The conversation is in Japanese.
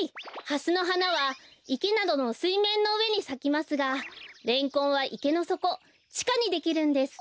ハスのはなはいけなどのすいめんのうえにさきますがレンコンはいけのそこちかにできるんです。